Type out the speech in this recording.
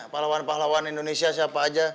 pahlawan pahlawan indonesia siapa aja